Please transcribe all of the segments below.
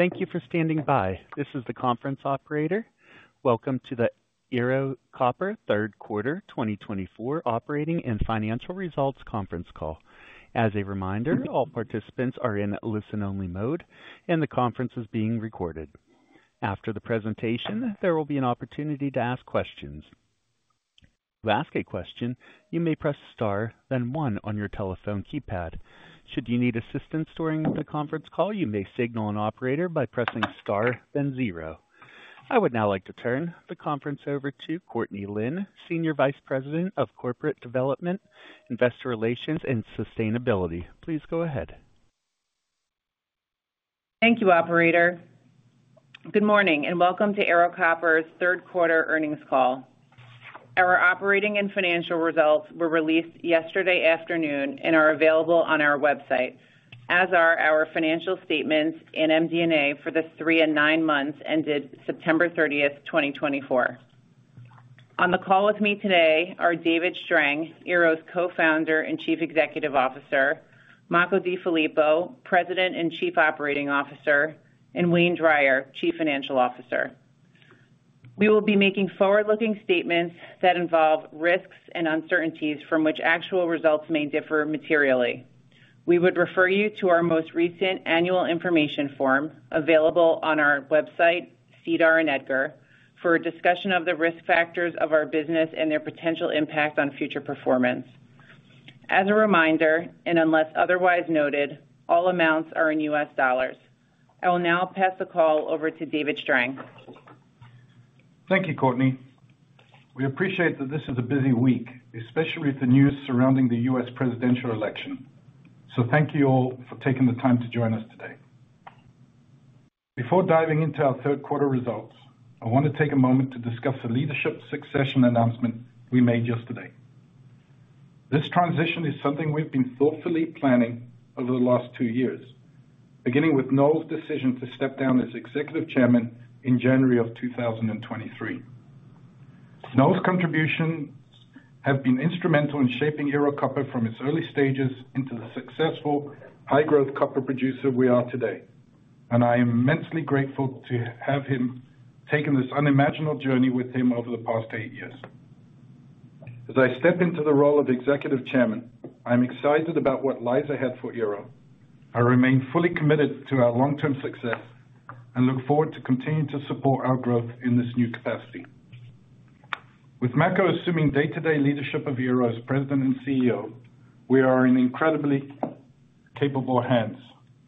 Thank you for standing by. This is the conference operator. Welcome to the Ero Copper Q3 2024 Operating and Financial Results Conference Call. As a reminder, all participants are in listen only mode and the conference is being recorded. After the presentation there will be an opportunity to ask questions. To ask a question, you may press STAR then one on your telephone keypad. Should you need assistance during the conference call, you may signal an operator by pressing STAR then. I would now like to turn the conference over to Courtney Lynn, Senior Vice President of Corporate Development, Investor Relations and Sustainability. Please go ahead. Thank you operator. Good morning and welcome to Ero Copper's Q3 earnings call. Our operating and financial results were released yesterday afternoon and are available on our website as are our financial statements in MD&A for the three and nine months ended September 30, 2024. On the call with me today are David Strang, Ero's co-founder and Chief Executive Officer, Makko DeFilippo, President and Chief Operating Officer, and Wayne Drier, Chief Financial Officer. We will be making forward-looking statements that involve risks and uncertainties from which actual results may differ materially. We would refer you to our most recent annual information form available on our website, SEDAR and EDGAR for a discussion of the risk factors of our business and their potential impact on future performance. As a reminder and unless otherwise noted, all amounts are in U.S. dollars.I will now pass the call over to David Strang. Thank you, Courtney. We appreciate that this is a busy week, especially with the news surrounding the U.S. Presidential election, so thank you all for taking the time to join us today. Before diving into our Q3 results, I want to take a moment to discuss the leadership succession announcement we made yesterday. This transition is something we've been thoughtfully planning over the last two years beginning with Noel's decision to step down as Executive Chairman in January of 2023. Noel's contribution have been instrumental in shaping Ero Copper from its early stages into the successful high growth copper producer we are today and I am immensely grateful to have him taken this unimaginable journey with him over the past eight years. As I step into the role of Executive Chairman, I am excited about what lies ahead for Ero. I remain fully committed to our long-term success and look forward to continuing to support our growth in this new capacity. With Makko assuming day-to-day leadership of Ero as President and CEO, we are in incredibly capable hands.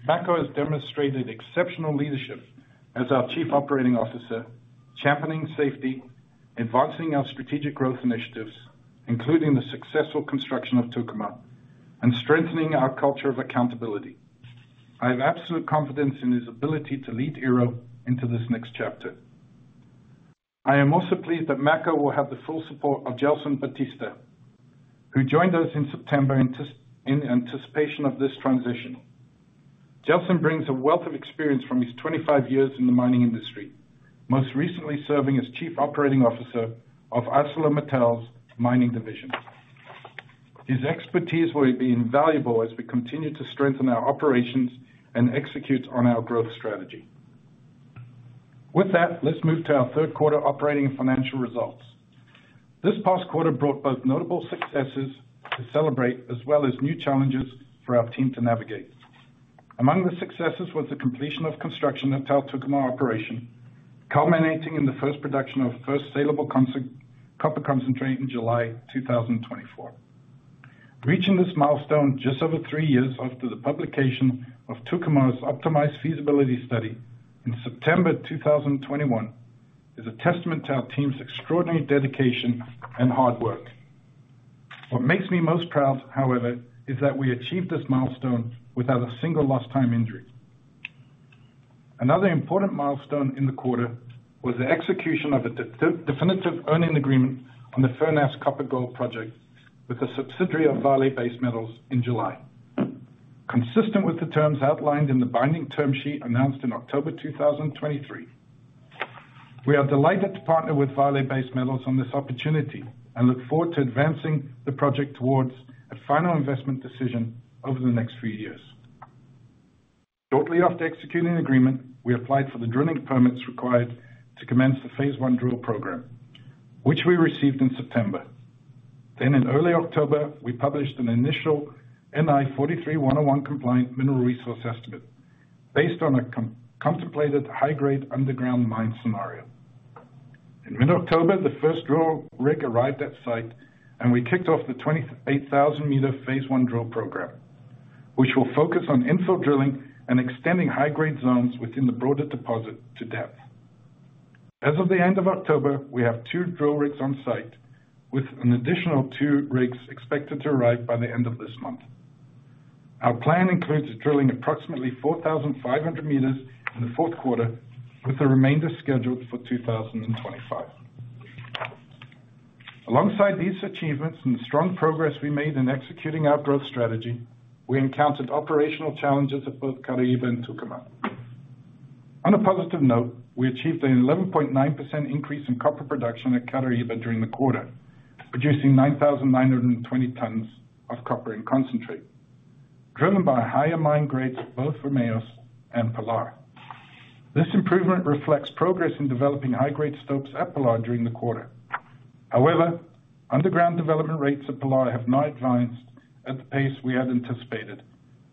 Makko has demonstrated exceptional leadership as our Chief Operating Officer, championing safety, advancing our strategic growth initiatives including the successful construction of Tucumã and strengthening our culture of accountability. I have absolute confidence in his ability to lead Ero into this next chapter. I am also pleased that Makko will have the full support of Gelson Batista, who joined us in September in anticipation of this transition. Gelson brings a wealth of experience from his 25 years in the mining industry, most recently serving as Chief Operating Officer of ArcelorMittal's mining division. His expertise will be invaluable as we continue to strengthen our operations and execute on our growth strategy. With that, let's move to our Q3 operating and financial results. This past quarter brought both notable successes to celebrate as well as new challenges for our team to navigate. Among the successes was the completion of construction at Tucumã Operation culminating in the first production of salable copper concentrate in July 2024. Reaching this milestone just over three years after the publication of Tucumã's optimized feasibility study in September 2021 is a testament to our team's extraordinary dedication and hard work. What makes me most proud, however, is that we achieved this milestone without a single lost time injury. Another important milestone in the quarter was the execution of a definitive earn-in agreement on the Furnas Copper-Gold Project with a subsidiary of Vale Base Metals in July, consistent with the terms outlined in the binding term sheet announced in October 2023. We are delighted to partner with Vale Base Metals on this opportunity and look forward to advancing the project towards a final investment decision over the next few years. Shortly after executing the agreement, we applied for the drilling permits required to commence the Phase 1 drill program which we received in September. Then in early October we published an initial NI 43-101 compliant mineral resource estimate based on a contemplated high-grade underground mine scenario. In mid-October the first drill rig arrived at site and we kicked off the 28,000-meter phase one drill program which will focus on infill drilling and extending high grade zones within the broader deposit to depth. As of the end of October, we have two drill rigs on site with an additional two rigs expected to arrive by the end of this month. Our plan includes drilling approximately 4,500 meters in the Q4 with the remainder scheduled for 2025. Alongside these achievements and the strong progress we made in executing our growth strategy, we encountered operational challenges at both Caraíba and Tucumã. On a positive note, we achieved an 11.9% increase in copper production at Caraíba during the quarter, producing 9,920 tonnes of copper in concentrate driven by higher mine grades both for Vermelhos and Pilar. This improvement reflects progress in developing high grade stopes at Pilar during the quarter. However, underground development rates at Pilar have not advanced at the pace we had anticipated,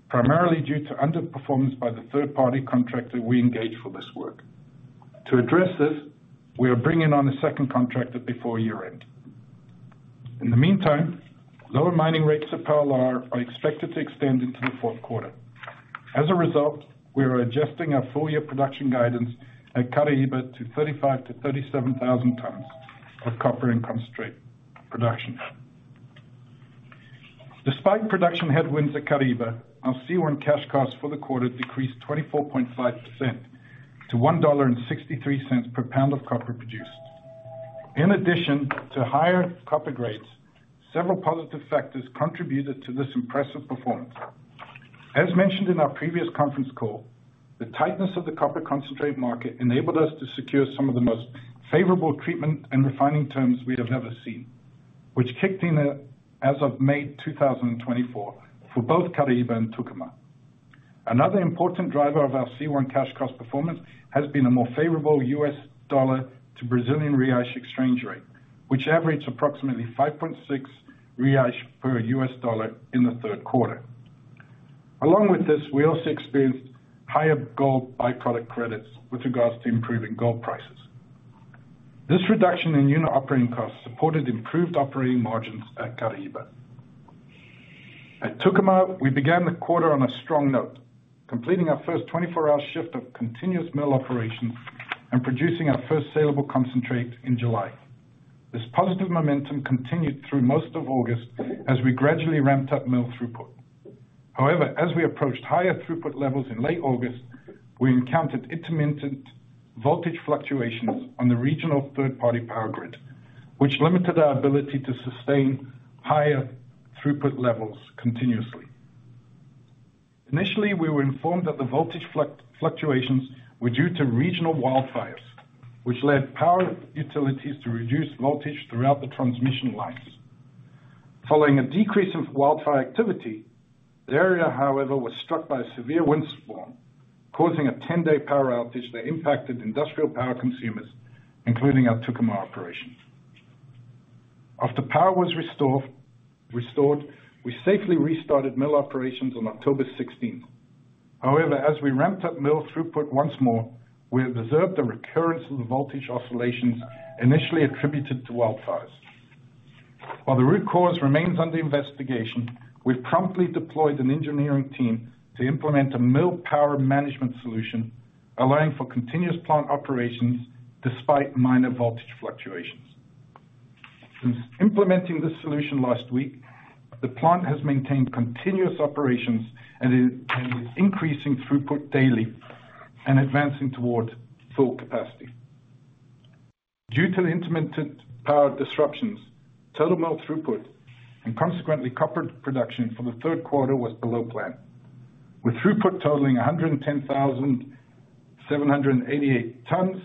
primarily due to underperformance by the third party contractor we engaged for this work. To address this, we are bringing on a second contractor before year end. In the meantime, lower mining rates at Pilar are expected to extend into the Q4. As a result, we are adjusting our full year production guidance at Caraíba to 35,000-37,000 tonnes of copper and concentrate production. Despite production headwinds at Caraíba, our C1 cash cost for the quarter decreased 24.5% to $1.63 per pound of copper produced. In addition to higher copper grades, several positive factors contributed to this impressive performance. As mentioned in our previous conference call, the tightness of the copper concentrate market enabled us to secure some of the most favorable treatment and refining terms we have ever seen, which kicked in as of May 2024 for both Caraíba and Tucumã. Another important driver of our C1 cash cost performance has been a more favorable US dollar to Brazilian Reais exchange rate, which averaged approximately 5.6 Reais per $1 in the Q3. Along with this, we also experienced higher gold byproduct credits with regards to improving gold prices. This reduction in unit operating costs supported improved operating margins at Caraíba. At Tucumã, we began the quarter on a strong note, completing our first 24-hour shift of continuous mill operations and producing our first salable concentrate in July. This positive momentum continued through most of August as we gradually ramped up mill throughput. However, as we approached higher throughput levels in late August, we encountered intermittent voltage fluctuations on the regional third-party power grid which limited our ability to sustain higher throughput levels continuously. Initially, we were informed that the voltage fluctuations were due to regional wildfires which led power utilities to reduce voltage throughout the transmission lines following a decrease in wildfire activity. The area, however, was struck by a severe windstorm causing a 10-day power outage that impacted industrial power consumers, including our Tucumã operation. After power was restored, we safely restarted mill operations on October 16th. However, as we ramped up mill throughput once more, we observed the recurrence of the voltage oscillations initially attributed to wildfires. While the root cause remains under investigation, we've promptly deployed an engineering team to implement a mill power management solution allowing for continuous plant operations despite minor voltage fluctuations. Since implementing this solution last week, the plant has maintained continuous operations and is increasing throughput daily and advancing toward full capacity due to the intermittent power disruptions. Total mill throughput and consequently copper production for the Q3 was below plan with throughput totaling 110,788 tons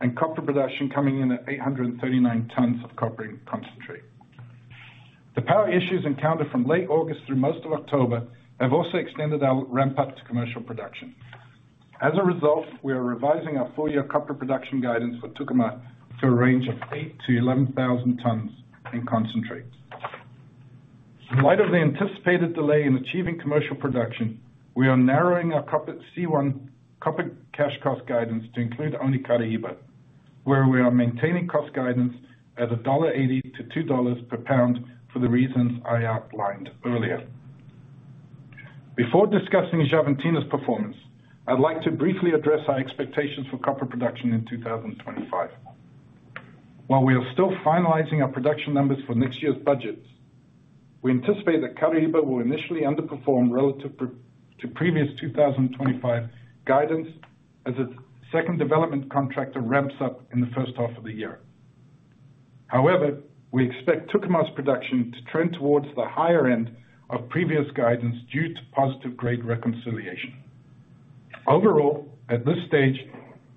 and copper production coming in at 839 tons of copper concentrate. The power issues encountered from late August through most of October have also extended our ramp up to commercial production. As a result, we are revising our full year copper production guidance for Tucumã to a range of 8,000-11,000 tons in concentrate. In light of the anticipated delay in achieving commercial production, we are narrowing our copper cash cost guidance to include only Caraíba, where we are maintaining cost guidance at $1.80-$2 per pound for the reasons I outlined earlier. Before discussing Xavantina's performance, I'd like to briefly address our expectations for copper production in 2025 while we are still finalizing our production numbers for next year's budgets. We anticipate that Caraíba will initially underperform relative to previous 2025 guidance as its second development contractor ramps up in the H1 of the year. However, we expect Tucumã's production to trend towards the higher end of previous guidance due to positive grade reconciliation. Overall at this stage,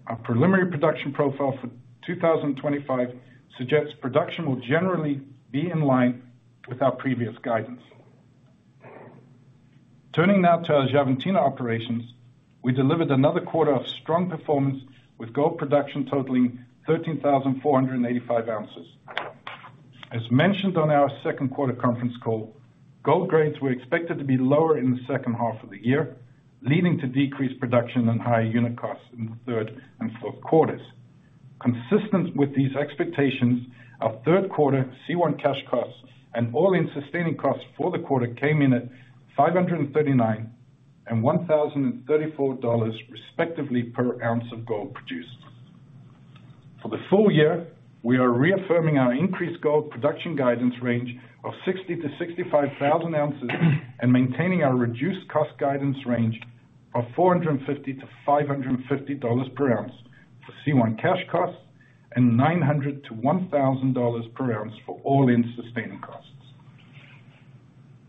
our preliminary production profile for 2025 suggests production will generally be in line with our previous guidance. Turning now to our Xavantina operations, we delivered another quarter of strong performance with gold production totaling 13,485 ounces. As mentioned on our Q2 conference call, gold grades were expected to be lower in the H2 of the year, leading to decreased production and higher unit costs in the third and Q4s. Consistent with these expectations, our Q3 C1 cash costs and all-in sustaining costs for the quarter came in at $539 and $1,034 respectively per ounce of gold produced for the full year. We are reaffirming our increased gold production guidance range of 60,000-65,000 ounces and maintaining our reduced cost guidance range of $450-$550 per ounce for C1 cash costs and $900-$1,000 per ounce for all-in sustaining costs.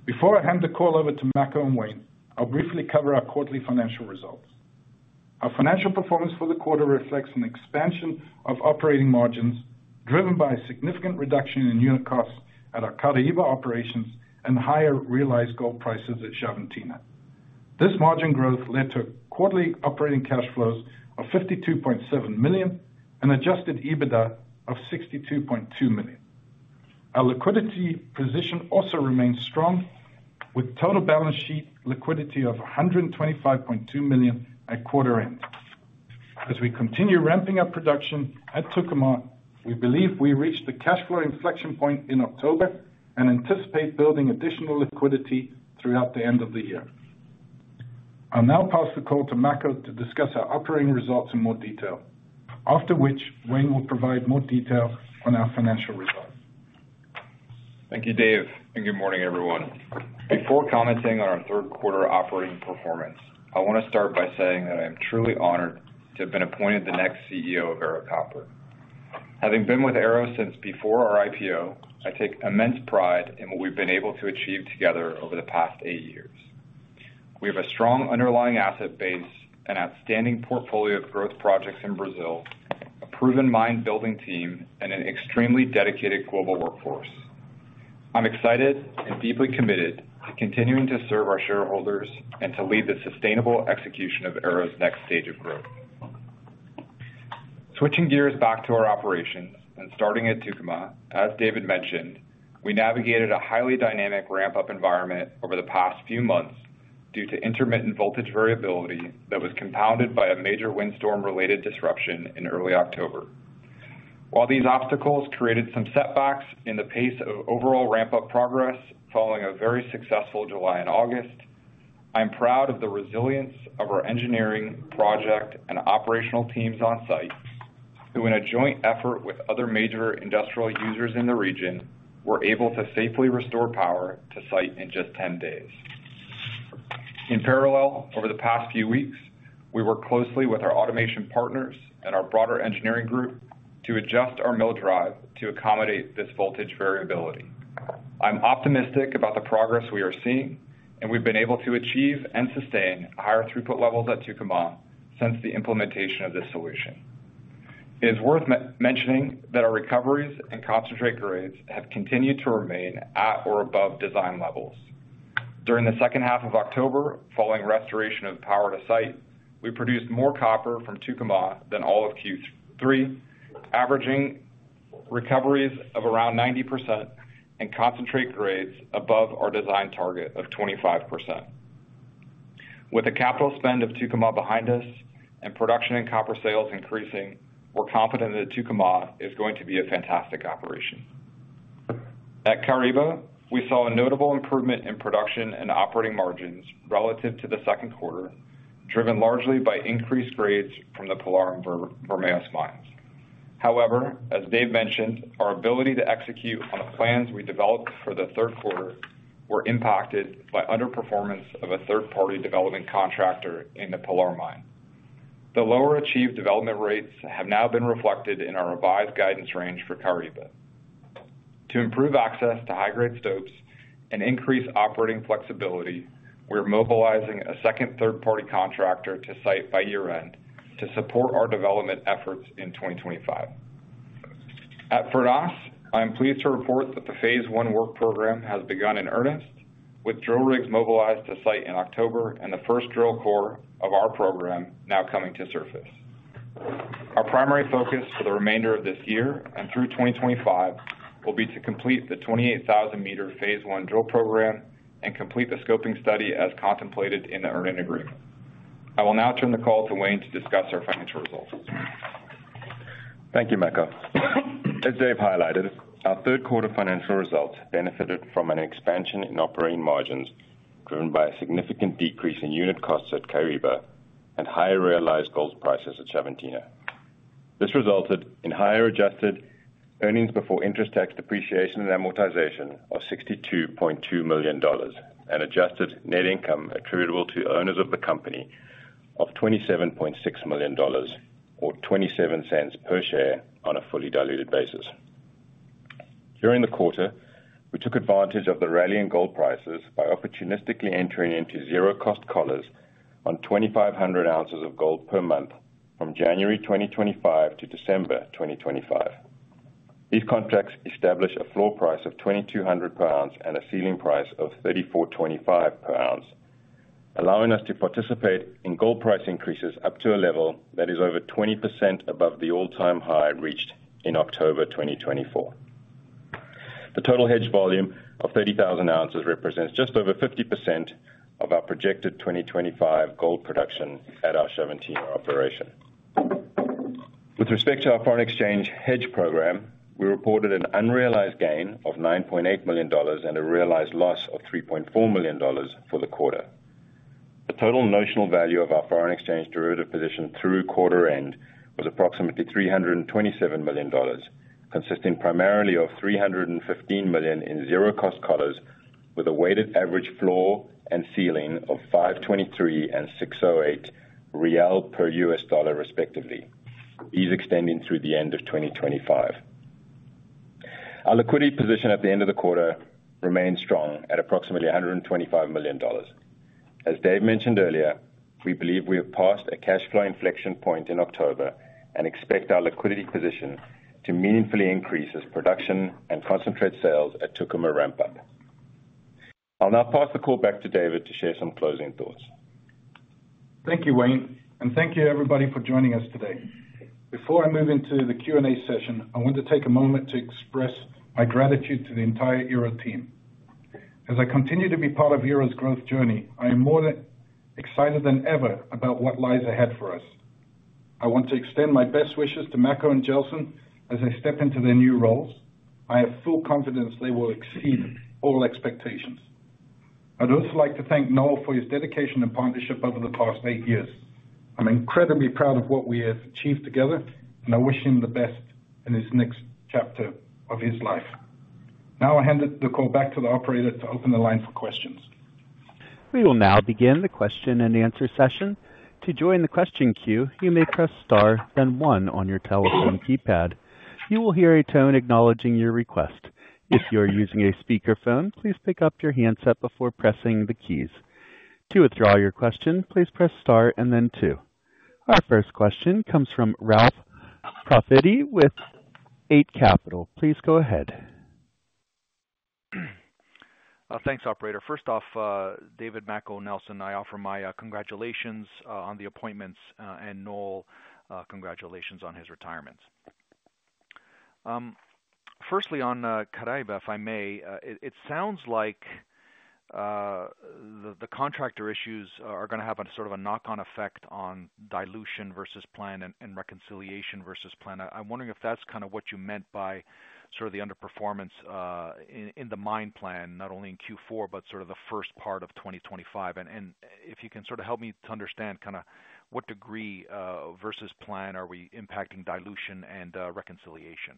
Before I hand the call over to Makko and Wayne, I'll briefly cover our quarterly financial results. Our financial performance for the quarter reflects an expansion of operating margins driven by a significant reduction in unit costs at our Caraíba operations and higher realized gold prices at Xavantina. This margin growth led to quarterly operating cash flows of $52.7 million and adjusted EBITDA of $62.2 million. Our liquidity position also remains strong with total balance sheet liquidity of $125.2 million at quarter end as we continue ramping up production at Tucumã. We believe we reach the cash flow inflection point in October and anticipate building additional liquidity throughout the end of the year. I'll now pass the call to Makko to discuss our operating results in more detail, after which Wayne will provide more detail on our financial results. Thank you Dave and good morning everyone. Before commenting on our Q3 operating performance, I want to start by saying that I am truly honored to have been appointed the next CEO of Ero Copper. Having been with Ero since before our IPO, I take immense pride in what we've been able to achieve together over the past eight years. We have a strong underlying asset base, an outstanding portfolio of growth projects in Brazil, a proven mine building team and an extremely dedicated global workforce. I'm excited and deeply committed to continuing to serve our shareholders and to lead the sustainable execution of Ero's next stage of growth. Switching gears back to our operations and starting at Tucumã, as David mentioned, we navigated a highly dynamic ramp up environment over the past few months due to intermittent voltage variability that was compounded by a major windstorm-related disruption in early October. While these obstacles created some setbacks in the pace of overall ramp up progress following a very successful July and August, I'm proud of the resilience of our engineering project and operational teams on site who, in a joint effort with other major industrial users in the region, were able to safely restore power to site in just 10 days. In parallel over the past few weeks we worked closely with our automation partners and our broader engineering group to adjust our mill drive to accommodate this voltage variability. I'm optimistic about the progress we are seeing and we've been able to achieve and sustain higher throughput levels at Tucumã since the implementation of this solution. It is worth mentioning that our recoveries and concentrate grades have continued to remain at or above design levels. During the H2 of October, following restoration of power to site, we produced more copper from Tucumã than all of Q3, averaging recoveries of around 90% and concentrate grades above our design target of 25%. With the capital spend of Tucumã behind us and production and copper sales increasing, we're confident that Tucumã is going to be a fantastic operation. At Caraíba, we saw a notable improvement in production and operating margins relative to the Q2, driven largely by increased grades from the Pilar and Vermelhos mines. However, as Dave mentioned, our ability to execute on the plans we developed for the Q3 were impacted by underperformance of a third-party development contractor in the Pilar Mine. The lower achieved development rates have now been reflected in our revised guidance range for Caraíba to improve access to high-grade stopes and increase operating flexibility. We are mobilizing a second third-party contractor to site by year-end to support our development efforts in 2025 at Furnas. I am pleased to report that the Phase 1 work program has begun in earnest with drill rigs mobilized to site in October and the first drill cores of our program now coming to surface. Our primary focus for the remainder of this year and through 2025 will be to complete the 28,000-meter phase one drill program and complete the scoping study as contemplated in the earn-in agreement. I will now turn the call to Wayne to discuss our financial results. Thank you, Makko. As Dave highlighted, our Q3 financial results benefited from an expansion in operating margins driven by a significant decrease in unit costs at Caraíba and higher realized gold prices at Xavantina. This resulted in higher adjusted earnings before interest, taxes, depreciation, and amortization of $62.2 million and adjusted net income attributable to owners of the company of $27.6 million or $0.27 per share on a fully diluted basis during the quarter. We took advantage of the rallying gold prices by opportunistically entering into zero-cost collars on 2,500 ounces of gold per month from January 2025 to December 2025. These contracts establish a floor price of $2,200 per ounce and a ceiling price of $3,425 per ounce, allowing us to participate in gold price increases up to a level that is over 20% above the all-time high reached in October 2024. The total hedge volume of 30,000 ounces represents just over 50% of our projected 2025 gold production at our Xavantina operation. With respect to our foreign exchange hedge. Program, we reported an unrealized gain of $9.8 million and a realized loss of $3.4 million for the quarter. The total notional value of our foreign exchange derivative position through quarter end was approximately $327 million consisting primarily of $315 million in zero cost collars with a weighted average floor and ceiling of 5.23 and 6.08 reais per US dollar respectively. These extending through the end of 2025. Our liquidity position at the end of the quarter remains strong at approximately $125 million. As Dave mentioned earlier, we believe we have passed a cash flow inflection point in October and expect our liquidity position to meaningfully increase as production and concentrate sales at Tucumã ramp up. I'll now pass the call back to. David to share some closing thoughts. Thank you, Wayne, and thank you, everybody, for joining us today. Before I move into the Q and A session, I want to take a moment to express my gratitude to the entire Ero team as I continue to be part of Ero's growth journey. I am more excited than ever about what lies ahead for us. I want to extend my best wishes to Makko and Gelson as they step into their new roles. I have full confidence they will exceed all expectations. I'd also like to thank Noel for his dedication and partnership over the past eight years. I'm incredibly proud of what we have achieved together, and I wish him the best in his next chapter of his life. Now I hand the call back to the operator to open the line for questions. We will now begin the Q&A session. To join the question queue you may press star then 1. On your telephone keypad you will hear a tone acknowledging your request. If you are using a speakerphone, please pick up your handset before pressing the keys. To withdraw your question, please press Star and then two. Our first question comes from Ralph Profiti with Eight Capital. Please go ahead. Thanks, operator. First off, David, Makko, Noel. I offer my congratulations on the appointments and, Noel, congratulations on his retirement. Firstly on Caraíba, if I may, it sounds like the contractor issues are going to have sort of a knock on effect on dilution versus plan and reconciliation versus plan. I'm wondering if that's kind of what you meant by sort of the underperformance in the mine plan, not only in Q4 but sort of the first part of 2025. And if you can sort of help me to understand kind of what degree versus plan are we impacting dilution and reconciliation?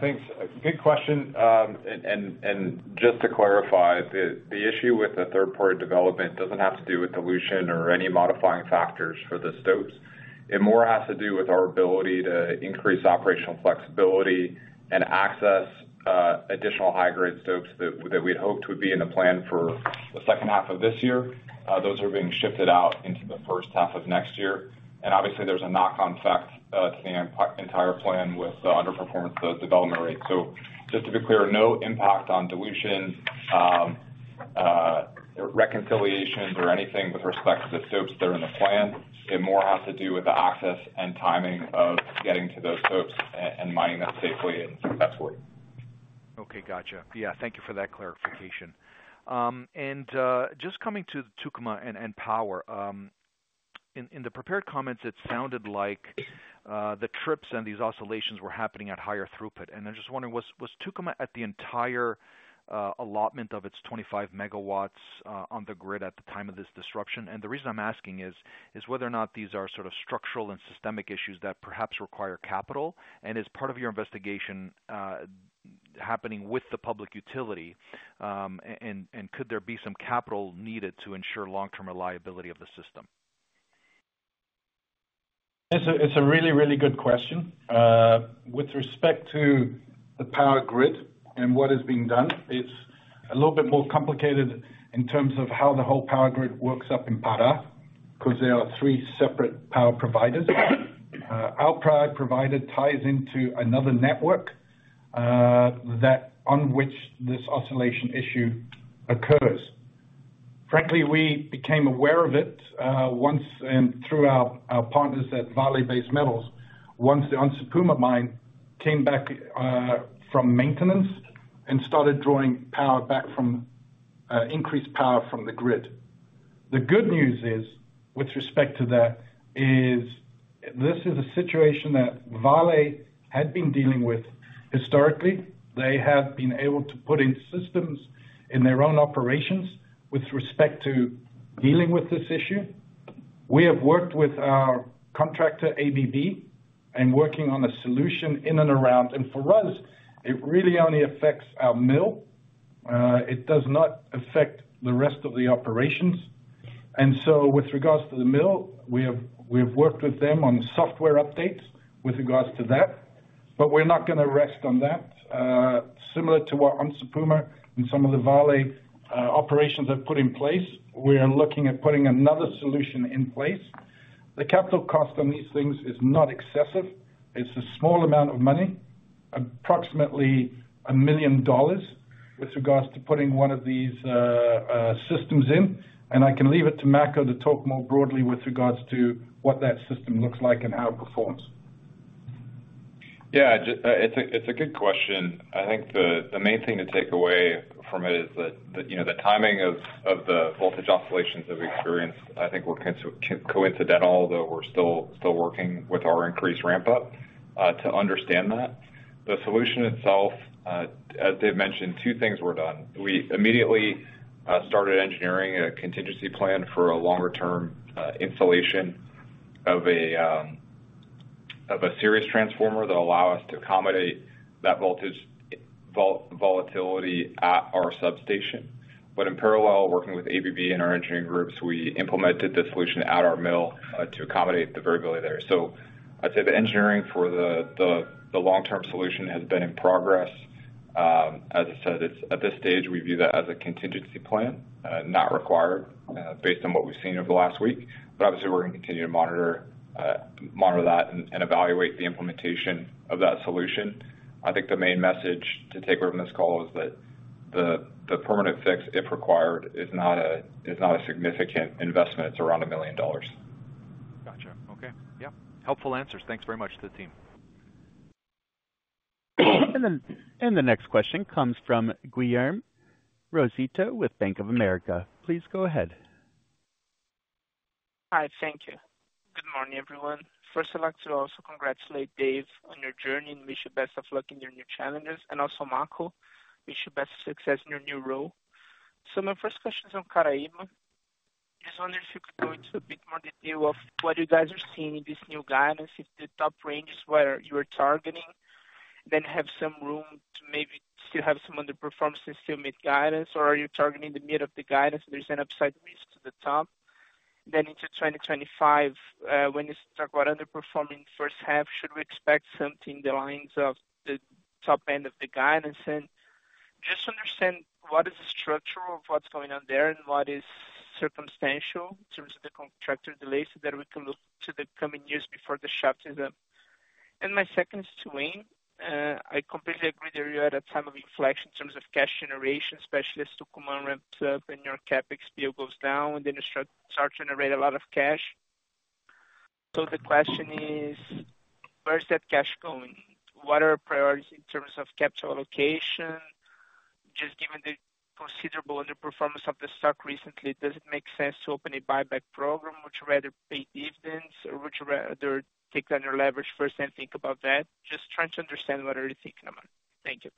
Thanks. Good question. And just to clarify, the issue with the third party development doesn't have to do with dilution or any modifying factors for the stopes. It more has to do with our ability to increase operational flexibility and access additional high grade stopes that we hoped would be in the plan for the H2 of this year. Those are being shifted out into the H1 of next year and obviously there's a knock on effect to the entire plan with the underperformance of development rates. So just to be clear, no impact on dilution reconciliations or anything with respect to the stopes that are in the plan. It more has to do with the access and timing of getting to those stopes and mining them safely. And that's what. Okay, thank you for that clarification. And just coming to Tucumã and power in the prepared comments, it sounded like the trips and these oscillations were happening at higher throughput. And I'm just wondering was Tucumã at the entire allotment of its 25 megawatts on the grid at the time of this disruption? And the reason I'm asking is whether or not these are sort of structural and systemic issues that perhaps require capital and as part of your investigation happening with the public utility and could there be some capital needed to ensure long-term reliability of the system? It's a really, really good question. With respect to the power grid and what is being done, it's a little bit more complicated in terms of how the whole power grid works up in Pará because there are three separate power providers. Our power provider ties into another network on which this oscillation issue occurs. Frankly, we became aware of it once and through our partners at Vale Base Metals once the Onça Puma mine came back from maintenance and started drawing power back from increased power from the grid. The good news is with respect to that is this is a situation that Vale had been dealing with historically. They have been able to put in systems in their own operations with respect to dealing with this issue. We have worked with our contractor ABB and working on a solution in and around. And for us it really only affects our mill, it does not affect the rest of the operations. And so with regards to the mill we have worked with them on software updates with regards to that, but we're not going to rest on that. Similar to what Onça Puma and some of the Vale operations have put in place, we are looking at putting another solution in place. The capital cost on these things is not excessive. It's a small amount of money, approximately $1 million with regards to putting one of these systems in. And I can leave it to Makko to talk more broadly with regards to what that system looks like and how it performs. It's a good question. I think the main thing to take away from it is that the timing of the voltage oscillations that we experienced I think were coincidental that we're still working with our increased ramp up to understand that the solution itself. As Dave mentioned, two things were done. We immediately started engineering a contingency plan for a longer term installation of a series transformer that allow us to accommodate that voltage volatility at our substation. But in parallel working with ABB and our engineering groups, we implemented the solution at our mill to accommodate the variability there. So I'd say the engineering for the long term solution has been in progress. As I said, at this stage, we view that as a contingency plan, not required, based on what we've seen over the last week. But obviously we're going to continue to monitor that and evaluate the implementation of that solution. I think the main message to take away from this call is that the permanent fix, if required, is not a significant investment. It's around $1 million. Gotcha. Okay, helpful answers. Thanks very much to the team. The next question comes from Guilherme Rosito with Bank of America. Please go ahead. Hi. Thank you. Good morning everyone. First, I'd like to also congratulate Dave on your journey and wish you best of luck in your new challenges. And also Makko, best success in your new role. So my first question is on Caraíba. Just wonder if you could go into a bit more detail of what you guys are seeing in this new guidance. If the top range is where you are targeting, then have some room to maybe still have some underperformance and still meet guidance or are you targeting the mid of the guidance? There's an upside risk to the top then into 2025. When you talk about underperforming H1, should we expect something along the lines of the top end of the guidance and just understand what is the structure of what's going on there and what is circumstantial in terms of the contractor delays so that we can look to the coming years before the shaft is up? My second is to Wayne. I completely agree that you're at a time of inflection in terms of cash generation, especially as Tucumã ramps up and your CapEx bill goes down and then you start to generate a lot of cash. So the question is where is that cash going? What are priorities in terms of capital allocation? Just given the considerable underperformance of the stock recently, does it make sense to open a buyback program? Would you rather pay dividends or would you rather take down your leverage first and think about that? Just trying to understand what are you thinking about. Thank you.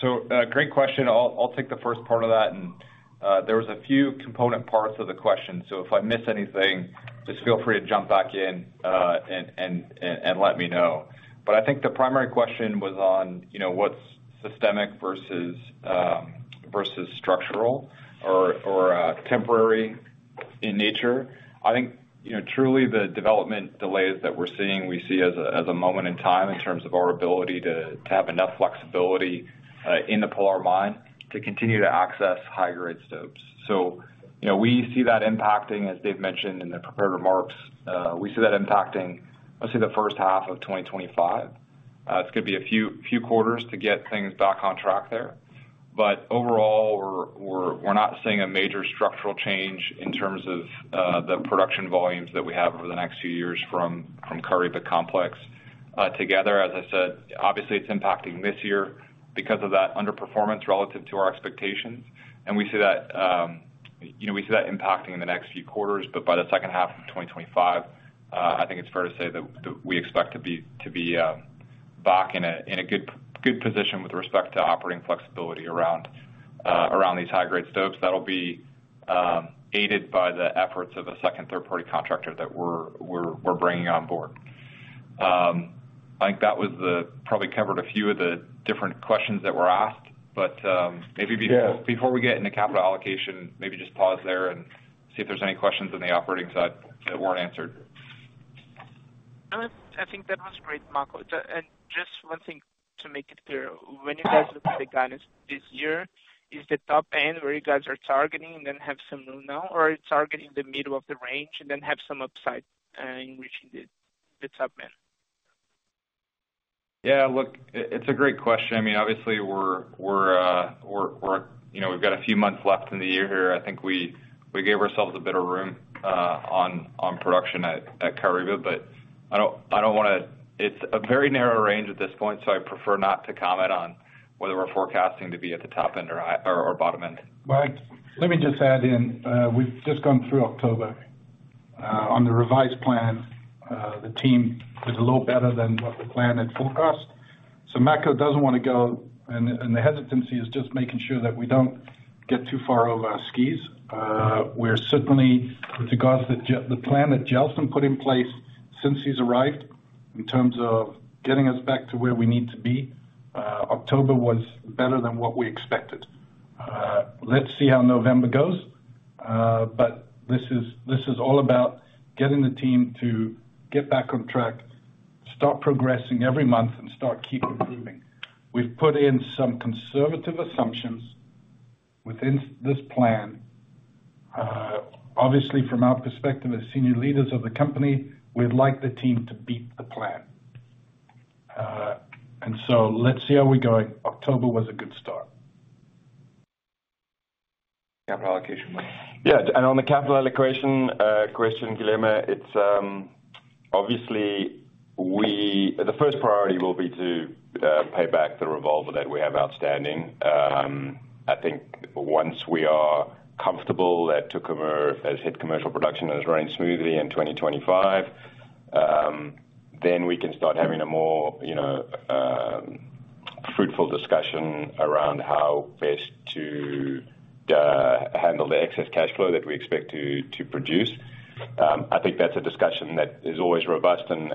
So great question. I'll take the first part of that and there was a few component parts of the question, so if I miss anything, just feel free to jump back in and let me know. But I think the primary question was on, you know, what's systemic versus structural or temporary in nature. I think, you know, truly the development delays that we're seeing we see as a moment in time in terms of our ability to, to have enough flexibility in the Pilar Mine to continue to access high-grade stopes. So you know, we see that impacting, as Dave mentioned in the prepared remarks, we see that impacting, let's say the H1 of 2025, it's going to be a few quarters to get things back on track there. But overall we're not seeing a major structural change in terms of the production volumes that we have over the next few years from the Caraíba Operations altogether. As I said, obviously it's impacting this year because of that underperformance relative to our expectations and we see that, you know, we see that impacting in the next few quarters. But by the H2 of 2025 I think it's fair to say that we expect to be back in a good position with respect to operating flexibility around these high-grade stopes that'll be aided by the efforts of a second third-party contractor that we're bringing on board. I think that was the. Probably covered a few of the different questions that were asked, but maybe before we get into capital allocation, maybe just pause there and see if there's any questions on the operating side that weren't answered. I think that was great, Makko, and just one thing to make it clear, when you guys look at the guidance this year, is the top end where you guys are targeting and then have some, now we're targeting the middle of the range and then have some upside in reaching the top end. Look, it's a great question. I mean obviously we've got a few months left in the year here. I think we gave ourselves a bit of room on production at Caraíba, but I don't want to. It's a very narrow range at this point so I prefer not to comment on whether we're forecasting to be at the top end or bottom end. Let me just add in, we've just gone through October on the revised plan. The team did a little better than what the plan had forecast. So Makko doesn't want to go and the hesitancy is just making sure that we don't get too far over our skis. We're certainly with regards to the plan that Gelson put in place since he's arrived in terms of getting us back to where we need to be. October was better than what we expected. Let's see how November goes. But this is all about getting the team to get back on track, start progressing every month and start keep improving. We've put in some conservative assumptions within this plan. Obviously from our perspective as senior leaders of the company, we'd like the team to beat the plan. And so let's see how we're going. October was a good start. Capital allocation. On the capital allocation question, Guilherme, it's obvious we. The first priority will be to pay back the revolver that we have outstanding. I think once we are comfortable that Tucumã has hit commercial production is running smoothly in 2025, then we can start having a more fruitful discussion around how best to handle the excess cash flow that we expect to produce.I think that's a discussion that is always robust and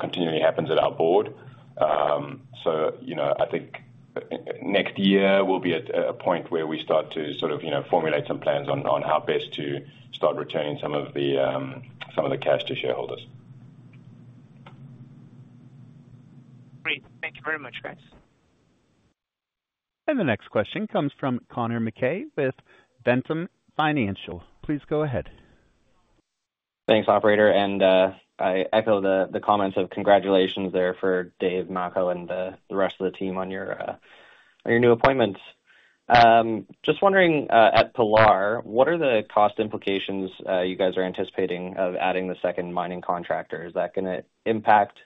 continually happens at our board. So I think next year will be at a point where we start to formulate some plans on how best to start returning some of the cash to shareholders. Great. Thank you very much guys. The next question comes from Connor McKay with Ventum Financial. Please go ahead. Thanks, operator. And I echo the comments of congratulations there for Dave and Makko and the rest of the team on your new appointments. Just wondering at Pilar, what are the cost implications you guys are anticipating of adding the second mining contractor? Is that going to impact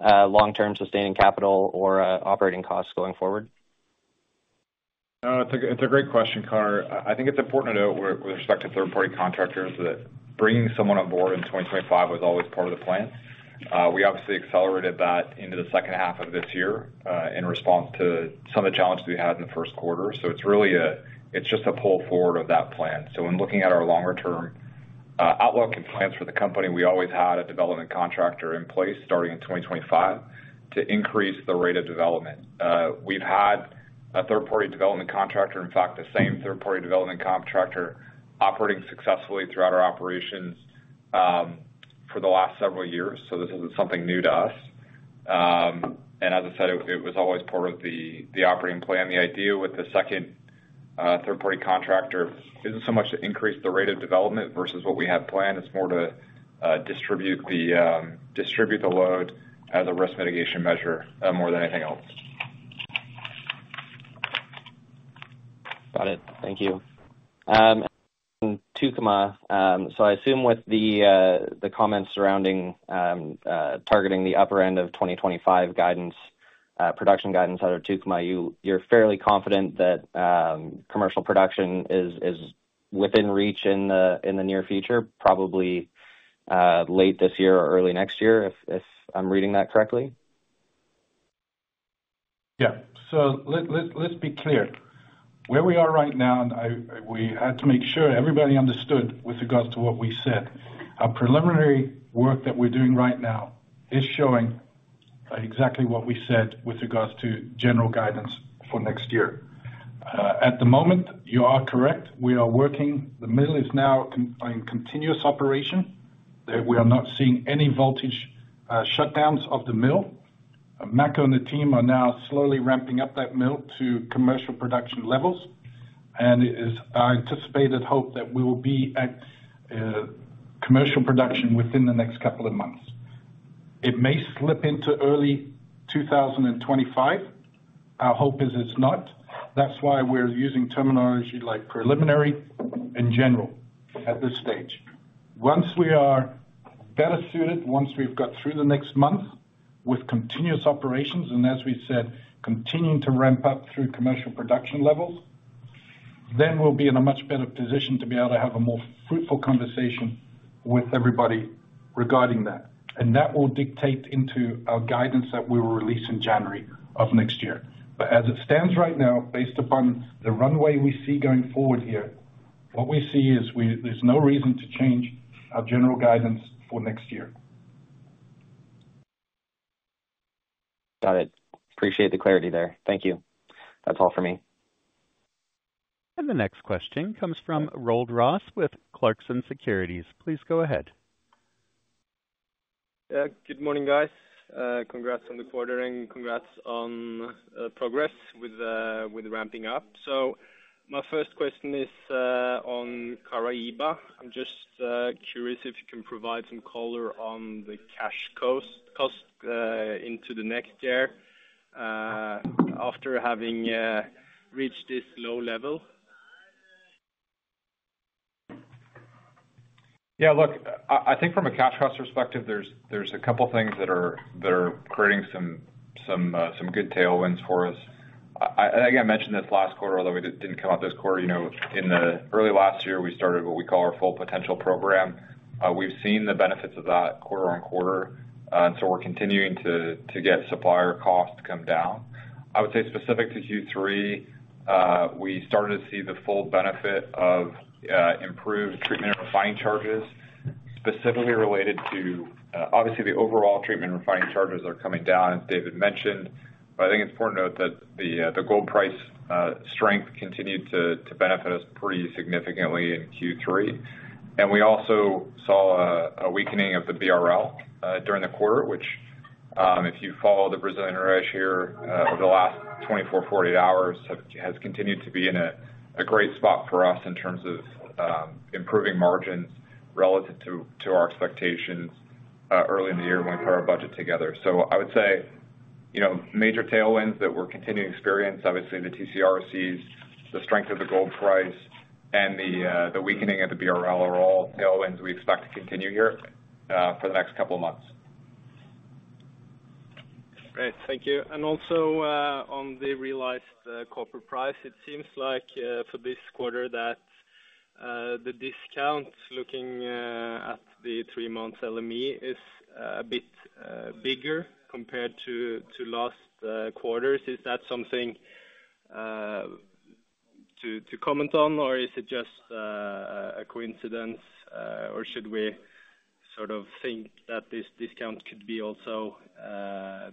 long-term sustaining capital or operating costs going forward? It's a great question, Connor. I think it's important to note with respect to third party contractors that bringing someone on board in 2025 was always part of the plan. We obviously accelerated that into the H2 of this year in response to some of the challenges we had in the Q1. So it's really a, it's just a pull forward of that plan. So when looking at our longer term outlook and plans for the company, we always had a development contractor in place starting in 2025 to increase the rate of development. We've had a third party development contractor, in fact the same third party development contractor operating successfully throughout our operations for the last several years. So this isn't something new to us. And as I said, it was always part of the operating plan. The idea with the second third party contractor isn't so much to increase the rate of development versus what we have planned, it's more to distribute the load as a risk mitigation measure more than anything else. Got it. Thank you, Tucumã, so I assume with the comments surrounding targeting the upper end of 2025 guidance, production guidance out of Tucumã. You're fairly confident that commercial production is within reach in the near future? Probably late this year or early next year, if I'm reading that correctly. So let's be clear where we are right now. And we had to make sure everybody understood with regards to what we said. A preliminary work that we're doing right now is showing exactly what we said with regards to general guidance for next year. At the moment, you are correct. We are working. The mill is now in continuous operation. We are not seeing any voltage shutdowns of the mill. Makko and the team are now slowly ramping up that mill to commercial production levels. And it is our anticipated hope that we will be at commercial production within the next couple of months. It may slip into early 2025. Our hope is it's not. That's why we're using terminology like preliminary in general at this stage. Once we are better suited, once we've got through the next month with continuous operations and as we said, continuing to ramp up through commercial production levels, then we'll be in a much better position to be able to have a more fruitful conversation with everybody regarding that. And that will dictate into our guidance that we will release in January of next year. But as it stands right now, based upon the runway we see going forward here, what we see is there's no reason to change our general guidance for next year. Got it. Appreciate the clarity there. Thank you. That's all for me. The next question comes from Roald Gooijer with Clarkson Securities. Please go ahead. Good morning, guys. Congrats on the quarter. And congrats on progress with ramping up. So my first question is on Caraíba. I'm just curious if you can provide some color on the key cash cost into the next year after having reached this low level. Look, I think from a cash cost perspective, there's a couple things that are creating some good tailwinds for us. I think I mentioned this last quarter, although it didn't come out this quarter. In the early last year, we started what we call our Full Potential program. We've seen the benefits of that quarter on quarter. And so we're continuing to get supplier costs come down. I would say, specific to Q3, we started to see the full benefit of improved treatment and refining charges, specifically related to, obviously, the overall treatment refining charges are coming down, as David mentioned, but I think it's important to note that the gold price strength continued to benefit us pretty significantly in Q3. We also saw a weakening of the BRL during the quarter, which if you follow the Brazilian over the last 24, 48 hours, has continued to be in a great spot for us in terms of improving margins relative to our expectations early in the year when we put our budget together, so I would say, you know, major tailwinds that we're continuing to experience. Obviously, the TC/RCs, the strength of the gold price, and the weakening of the BRL are all tailwinds we expect to continue here for the next couple of months. Great, thank you. And also on the realized copper price, it seems like for this quarter that the discount looking at the three months LME is a bit bigger compared to last year quarters. Is that something to comment on or is it just a coincidence or should we sort of think that this discount could be also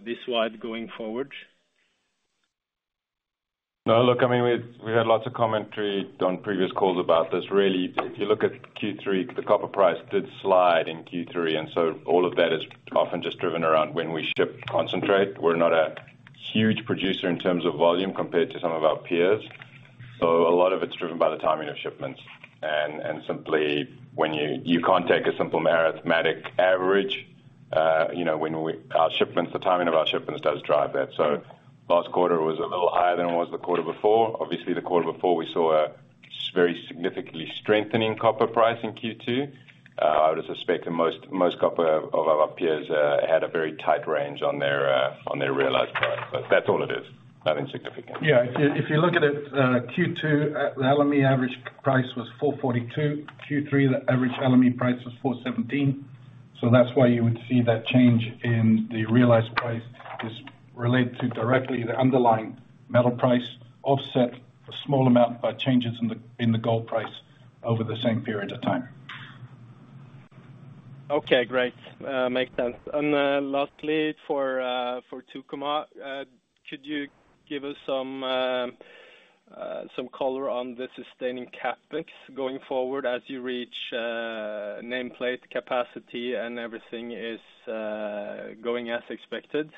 this wide going forward? No, look, I mean we had lots of commentary on previous calls about this, really. If you look at Q3, the copper price did slide in Q3 and so all of that is often just driven around when we ship concentrate. We're not a huge producer in terms of volume compared to some of our peers. So a lot of it's driven by the timing of shipments. And simply when you, you can't take a simple arithmetic average, you know, when our shipments, the timing of our shipments does drive that. So last quarter was a little higher than it was the quarter before. Obviously the quarter before we saw a very significantly strengthening copper price in Q2. I would suspect most of our copper peers had a very tight range on their realized product, but that's all it is, nothing significant. If you look at it, Q2, the LME average price was 442. Q3, the average LME price was 417. So that's why you would see that change in the realized price is related to directly the underlying metal price, offset a small amount by changes in the gold price over the same period of time. Okay, great, makes sense. And lastly for Tucumã, could you give us some color on the sustaining CapEx going forward as you reach nameplate capacity and everything is going as expected?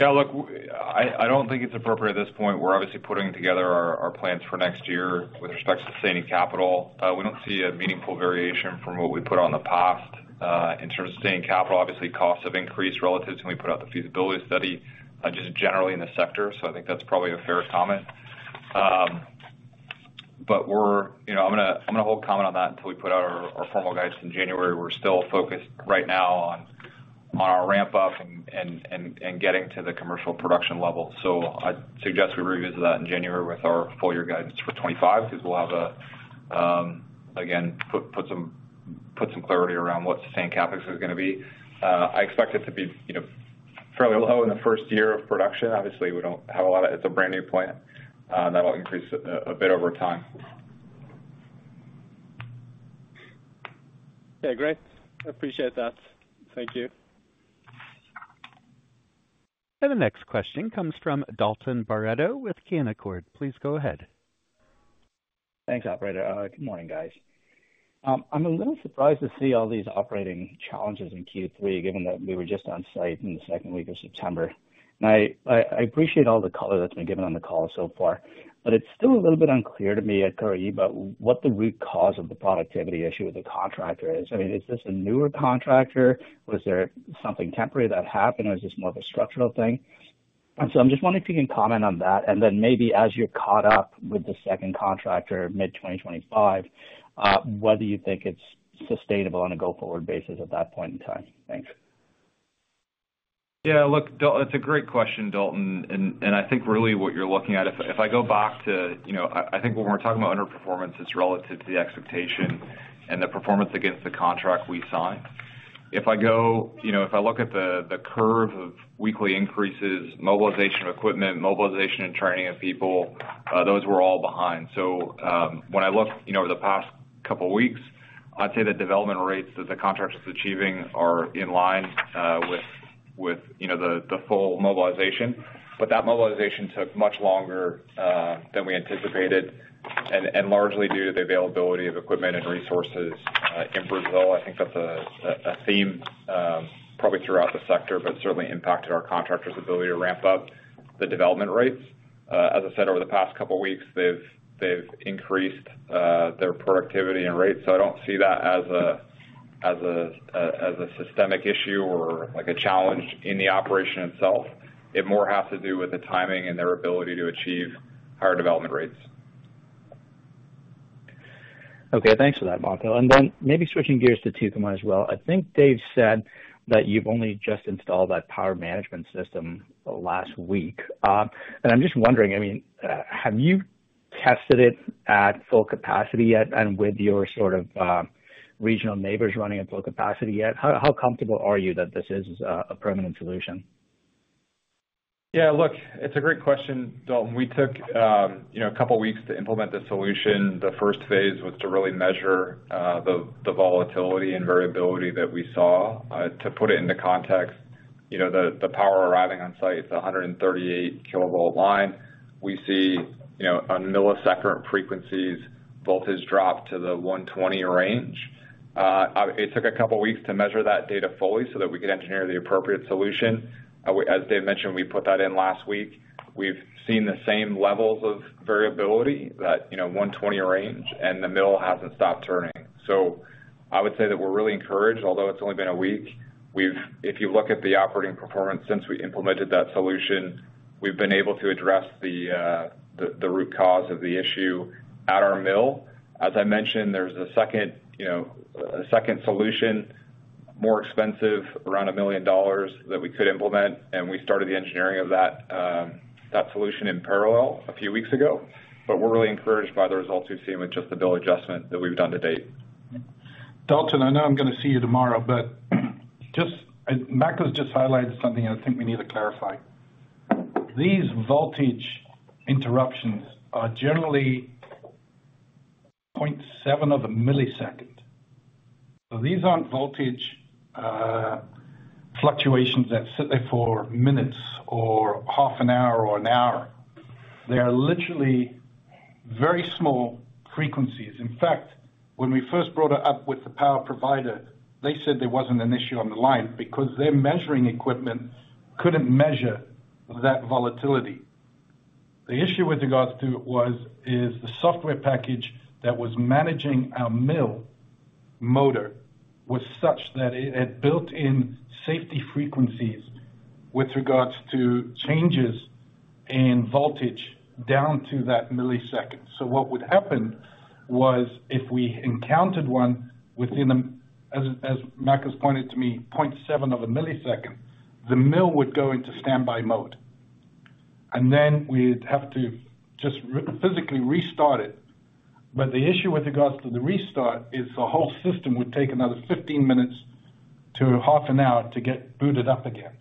Yes, look, I don't think it's appropriate at this point. We're obviously putting together our plans for next year with respect to sustaining capital. We don't see a meaningful variation from what we put out in the past in terms of sustaining capital. Obviously costs have increased relative to when we put out the feasibility study, just generally in the sector. So I think that's probably a fair comment. But we're, you know, I'm going to hold comment on that until we put out our formal guidance in January. We're still focused right now on our ramp up and getting to the commercial production level. So I suggest we revisit that in January with our full year guidance for 2025 because we'll have again put some clarity around what sustained CapEx is going to be. I expect it to be fairly low in the first year of production. Obviously, we don't have a lot of. It's a brand new plant that will increase a bit over time. Okay, great.I appreciate that, thank you. And the next question comes from Dalton Barreto with Canaccord. Please go ahead. Thanks, operator. Good morning guys. I'm a little surprised to see all these operating challenges in Q3 given that we were just on site in the second week of September. I appreciate all the color that's been given on the call so far, but it's still a little bit unclear to me at Caraíba what the root cause of the productivity issue with the contractor is. I mean, is this a newer contractor? Was there something temporary that happened or is this more of a structural thing? And so I'm just wondering if you can comment on that and then maybe as you're caught up with the second contractor mid-2025, whether you think it's sustainable on a go forward basis at that point in time. Thanks. Look, that's a great question, Dalton. And I think really what you're looking at if I go back to, you know, I think when we're talking about performance is relative to the expectation and the performance against the contract we signed. If I go, you know, if I look at the curve of weekly increases, mobilization of equipment, mobilization and training of people, those were all behind, so when I look, you know, over the past couple weeks, I'd say the development rates that the contract is achieving are in line with, you know, the full mobilization. But that mobilization took much longer than we anticipated and largely due to the availability of equipment and resources in Brazil. I think that's a theme probably throughout the sector, but certainly impacted our contractor's ability to ramp up the development rates. As I said, over the past couple weeks they've increased their productivity and rates. So I don't see that as a systemic issue or like a challenge in the operation itself. It more has to do with the timing and their ability to achieve higher development rates. Okay, thanks for that, Makko. And then maybe switching gears to Tucumã as well. I think Dave said that you've only just installed that power management system last week. And I'm just wondering, I mean, have you tested it at full capacity yet? And with your sort of regional neighbors running at full capacity yet, how comfortable are you that this is a permanent solution? Look, it's a great question, Dalton. We took a couple weeks to implement this solution. The first phase was to really measure the volatility and variability that we saw. To put it into context, the power arriving on site, the 138 kilovolt line, we see on millisecond frequencies, voltage drop to the 120 range. It took a couple weeks to measure that data fully so that we could engineer the appropriate set of solution. As Dave mentioned, we put that in last week, we've seen the same levels of variability that, you know, 120 range and the mill hasn't stopped turning. So I would say that we're really encouraged. Although it's only been a week, we've. If you look at the operating performance since we implemented that solution, we've been able to address the root cause of the issue at our mill. As I mentioned, there's a second, you know, a second solution, more expensive, around $1 million that we could implement. And we started the engineering of that solution in parallel a few weeks ago. But we're really encouraged by the results we've seen with just the bill adjustment that we've done to date. Dalton, I know I'm going to see you tomorrow, but just Mac has just highlighted something I think we need to clarify. These voltage interruptions are generally 0.7 of a millisecond. These aren't voltage fluctuations that sit there for minutes or half an hour or an hour. They are literally very small frequencies. In fact, when we first brought it up with the power provider, they said there wasn't an issue on the line because their measuring equipment couldn't measure that volatility. The issue with regards to it was the software package that was managing our mill motor was such that it had built in safety frequencies with regards to changes in voltage down to that millisecond. So what would happen was, if we encountered one within, as Mac has pointed to me, 0.7 of a millisecond, the mill would go into standby mode and then we'd have to just physically restart it. But the issue with regards to the restart is the whole system would take another 15 minutes to half an hour to get booted up again.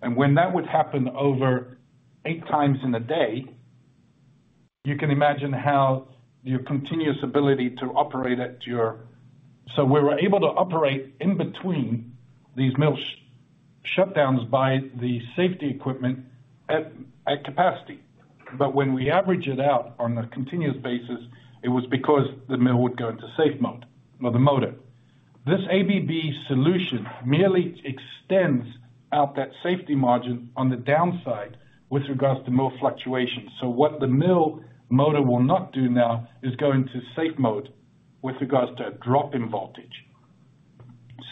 And when that would happen over eight times in a day, you can imagine how your continuous ability to operate at your. So we were able to operate in between these mill shutdowns by the safety equipment at capacity. But when we average it out on a continuous basis, it was because the mill would go into safe mode or the motor. This ABB solution merely extends out that safety margin on the downside with regards to mill fluctuation. So what the mill motor will not do now is go into safe mode with regards to a drop in voltage.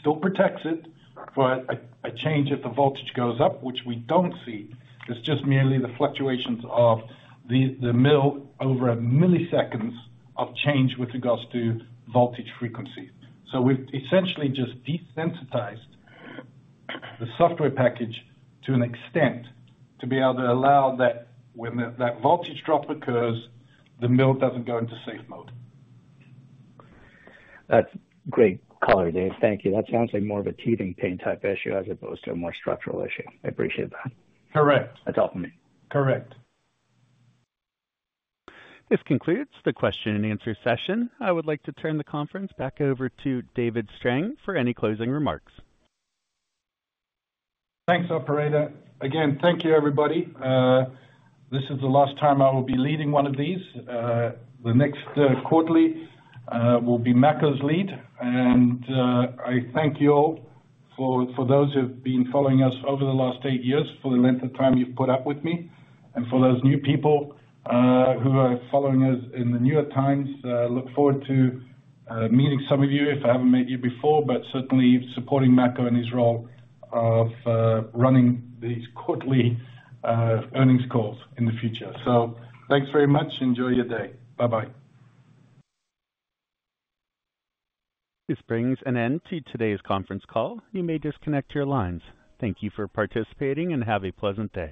Still protects it for a change if the voltage goes up, which we don't see. It's just merely the fluctuations of the mill over milliseconds of change with regards to voltage frequency. So we've essentially just desensitized the software package to an extent to be able to allow that when that voltage drop occurs, the mill doesn't go into safe mode. That's great color, Dave. Thank you. That sounds like more of a teething pain type issue as opposed to a more structural issue. I appreciate that. Correct. That's all for me. Correct. This concludes the question and answer session. I would like to turn the conference back over to David Strang for any closing remarks. Thanks, operator. Again, thank you, everybody. This is the last time I will be leading one of these. The next quarterly will be Makko's lead. And I thank you all for those who have been following us over the last eight years for the length of time you've put up with me and for those new people who are following us in the New York Times. Look forward to meeting some of you if I haven't met you before. But certainly supporting Makko and his role of running these quarterly earnings calls in the future. So thanks very much. Enjoy your day. Bye bye. This brings an end to today's conference call. You may disconnect your lines. Thank you for participating and have a pleasant day.